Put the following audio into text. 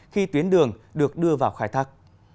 khi tuyến đường được đưa vào khai thác